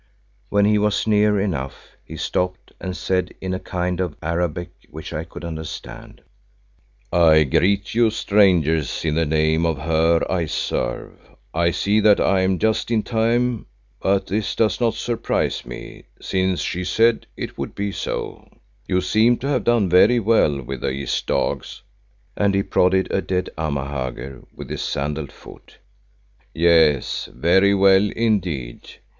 When he was near enough he stopped and said in a kind of Arabic which I could understand, "I greet you, Strangers, in the name of her I serve. I see that I am just in time, but this does not surprise me, since she said that it would be so. You seem to have done very well with these dogs," and he prodded a dead Amahagger with his sandalled foot. "Yes, very well indeed.